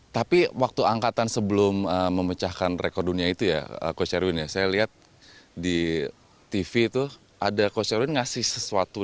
tapi waktu angkatan sebelum memecahkan rekor dunia itu ya coach erwin ya saya lihat di tv itu ada coach erwin ngasih sesuatu